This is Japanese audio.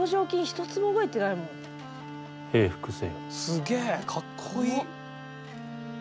すげえかっこいい！